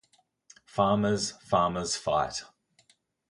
Farmers, farmers fight!